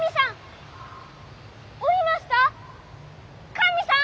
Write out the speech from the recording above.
神さん！